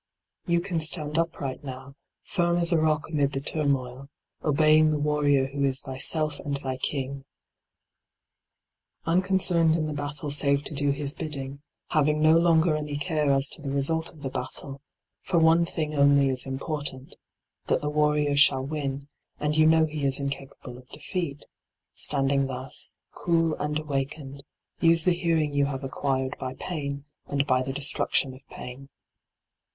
You can stand upright now, firm as a rock amid the turmoil, obeying the warrior who is thyself and thy king. Unconcerned in the battle save to do his bidding, having no longer any care as to the result of the battle, for one thing only is important, that the warrior shall win, and you know he is in capable of defeat — ^standing thus, cool and awakened, use the hearing you have acquired by pain and by the destruction of pain.